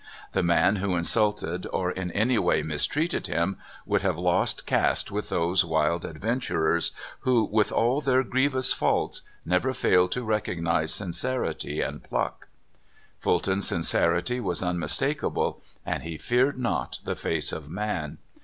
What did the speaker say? The man who insulted, or in any way mistreated him, would have lost caste with those wild adventurers who, with all their grievous faults, never failed to recognize sincerity and pluck. Fulton's sincerity was un mistakable, and he feared not the face of man.